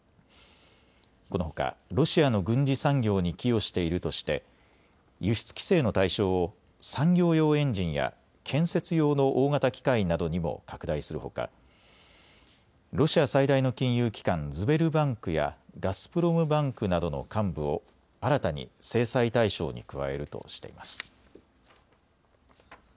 このほかロシアの軍事産業に寄与しているとして輸出規制の対象を産業用エンジンや建設用の大型機械などにも拡大するほかロシア最大の金融機関、ズベルバンクやガスプロムバンクなどの幹部を新たに制裁対象に加えるとしています。